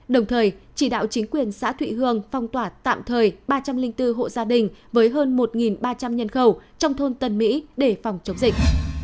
đồng thời chỉ đạo chính quyền xã thụy hương phong tỏa tạm thời ba trăm linh bốn hộ gia đình với hơn một ba trăm linh nhân khẩu trong thôn tân mỹ để phòng chống dịch